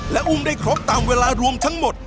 และอุ้มได้ครบตามเวลารวมทั้งหมด